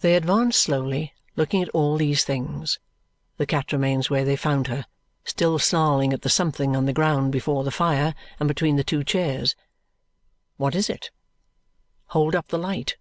They advance slowly, looking at all these things. The cat remains where they found her, still snarling at the something on the ground before the fire and between the two chairs. What is it? Hold up the light.